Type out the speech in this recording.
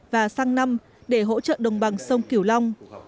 và sang năm để hỗ trợ đồng bằng sông kiểu long